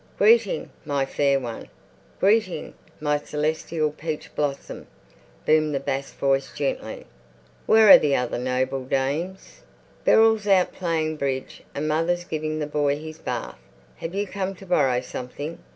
"Greeting, my Fair One! Greeting, my Celestial Peach Blossom!" boomed the bass voice gently. "Where are the other noble dames?" "Beryl's out playing bridge and mother's giving the boy his bath.... Have you come to borrow something?"